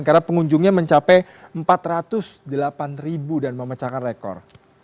karena pengunjungnya mencapai empat ratus delapan dan memecahkan rekor